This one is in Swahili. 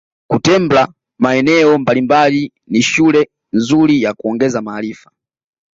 Kutembla maeneo mbalimbali ni shule nzuri ya kuongeza maarifa